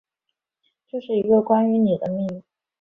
这是一个关于妳的秘密